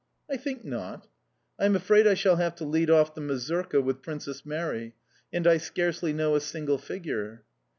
"I think not." "I am afraid I shall have to lead off the mazurka with Princess Mary, and I scarcely know a single figure"...